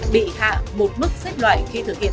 bị hạ một mức xét loại khi thực hiện